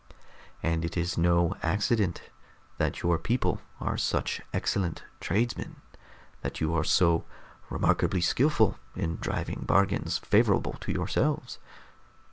And it is no accident that your people are such excellent tradesmen, that you are so remarkably skillful in driving bargains favorable to yourselves